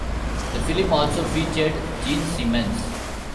The film also featured Gene Simmons.